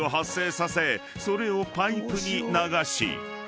［それをパイプに流し］